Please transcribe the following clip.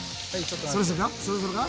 そろそろかそろそろか？